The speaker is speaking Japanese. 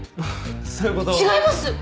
違います！